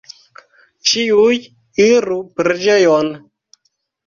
Ĉiuj iru preĝejon!